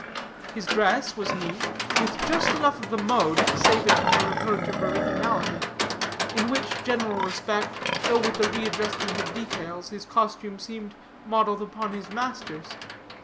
His dress was neat, with just enough of the mode to save it from the reproach of originality; in which general respect, though with a readjustment of details, his costume seemed modeled upon his master's.